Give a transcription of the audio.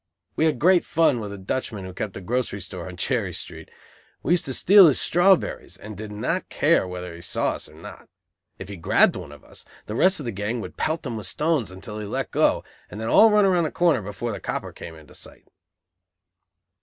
We had great fun with a Dutchman who kept a grocery store on Cherry Street. We used to steal his strawberries, and did not care whether he saw us or not. If he grabbed one of us, the rest of the gang would pelt him with stones until he let go, and then all run around the corner before the "copper" came into sight.